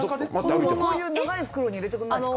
こういう長い袋に入れてくれないんですか？